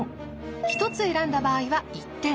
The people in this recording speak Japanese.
１つ選んだ場合は１点。